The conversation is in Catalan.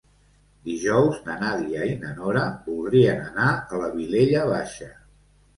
Dijous na Nàdia i na Nora voldrien anar a la Vilella Baixa.